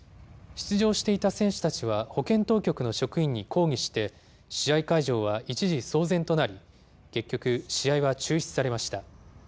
出場していた選手たちは保健当局の職員に抗議して、試合会場は一時騒然となり、結局、試合は中止されました。